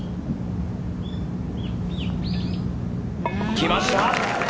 きました。